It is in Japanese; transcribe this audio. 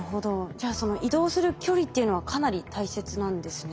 じゃあその移動する距離っていうのはかなり大切なんですね。